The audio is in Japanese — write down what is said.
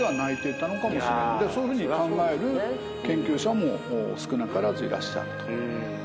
そういうふうに考える研究者も少なからずいらっしゃると。